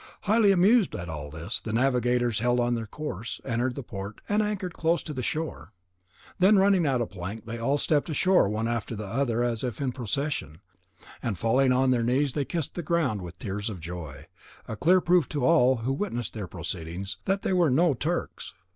Highly amused at all this, the navigators held on their course, entered the port, and anchored close to the shore. Then running out a plank they all stepped ashore one after the other as if in procession, and falling on their knees kissed the ground with tears of joy—a clear proof to all who witnessed their proceedings that they were no Turks.